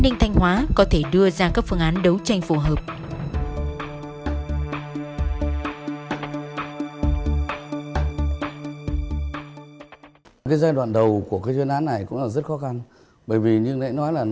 mỗi giấc bàn khoan không biết là